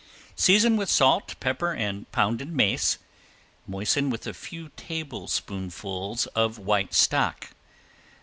Season with salt, pepper and pounded mace, moisten with a few tablespoonfuls of white stock.